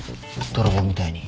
泥棒みたいに。